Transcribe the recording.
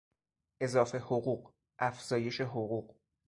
اضافه حقوق، افزایش حقوق